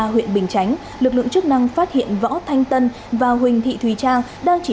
huyện bình chánh lực lượng chức năng phát hiện võ thanh tân và huỳnh thị thùy trang đang chỉ